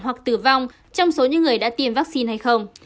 hoặc tử vong trong số những người đã tiêm vaccine hay không